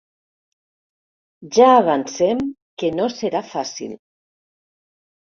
Ja avancem que no serà fàcil.